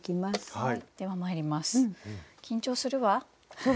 はい。